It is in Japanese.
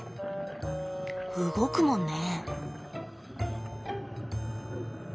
動くもんね。